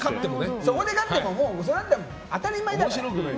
そこで勝っても当たり前だから。